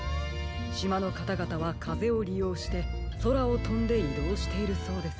しまのかたがたはかぜをりようしてそらをとんでいどうしているそうです。